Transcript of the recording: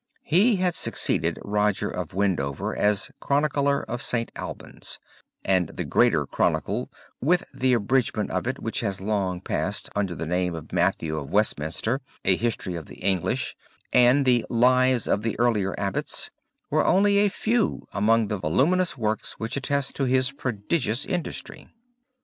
He had succeeded Roger of Wendover as Chronicler of St. Albans; and the Greater Chronicle, with the abridgement of it which has long passed under the name of Matthew of Westminster, a "History of the English," and the "Lives of the Earlier Abbots," were only a few among the voluminous works which attest his prodigious industry.